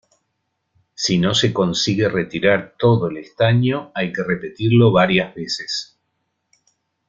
Si no se consigue retirar todo el estaño, hay que repetirlo varias veces.